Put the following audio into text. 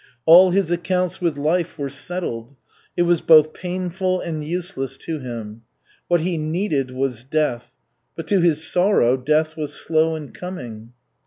All his accounts with life were settled it was both painful and useless to him. What he needed was death, but, to his sorrow, death was slow in coming.